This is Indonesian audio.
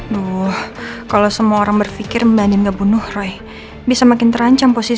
duh kalau semua orang berpikir mbak andin nggak bunuh roy bisa makin terancam posisi gue